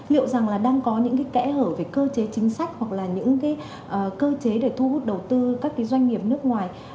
liệu rằng là đang có những cái kẽ hở về cơ chế chính sách hoặc là những cái cơ chế để thu hút đầu tư các cái doanh nghiệp nước ngoài